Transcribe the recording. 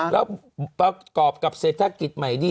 แล้วประกอบกับเศรษฐกิจใหม่ดี